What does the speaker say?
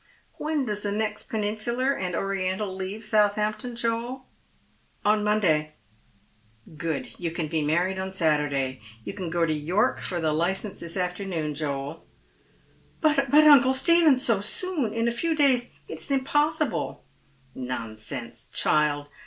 When does the nest Peninsular and Oriental leave Southampton, Joel ?"" On Monday." *• Good ; you can be married on Saturday. You can go to York for the hcence this afternoon, Joel." " But, uncle Stephen, so soon — in a few days — it is impossible." " Nonsense, child